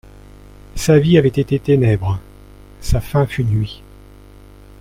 Sa vie avait été ténèbres ; sa fin fut nuit.